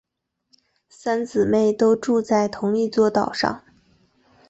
三姊妹都住在同一座岛上。